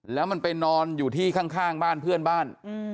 แล้วมันไปนอนอยู่ที่ข้างบ้านเพื่อนบ้าน